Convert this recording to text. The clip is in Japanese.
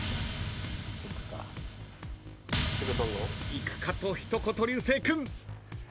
「いくか」と一言流星君。